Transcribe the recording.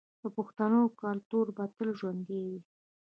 د پښتنو کلتور به تل ژوندی وي.